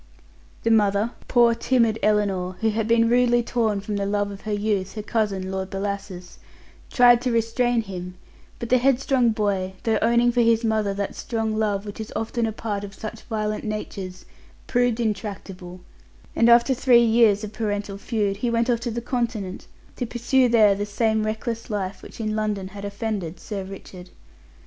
The mother poor, timid Ellinor, who had been rudely torn from the love of her youth, her cousin, Lord Bellasis tried to restrain him, but the head strong boy, though owning for his mother that strong love which is often a part of such violent natures, proved intractable, and after three years of parental feud, he went off to the Continent, to pursue there the same reckless life which in London had offended Sir Richard.